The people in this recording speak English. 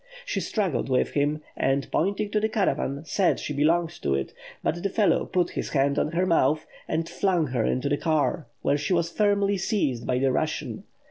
She struggled with him, and pointing to the caravan, said she belonged to it; but the fellow put his hand on her mouth, and flung her into the car, where she was firmly seized by the Russian.